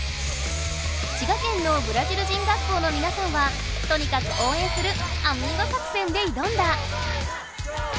滋賀県のブラジル人学校のみなさんはとにかくおうえんするアミーゴ作戦で挑んだ。